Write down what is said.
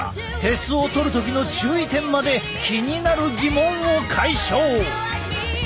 鉄をとる時の注意点まで気になる疑問を解消！